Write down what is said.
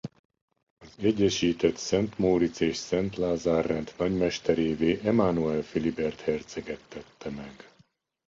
Az egyesített Szent Móric és Szent Lázár-rend nagymesterévé Emánuel Filibert herceget tette meg.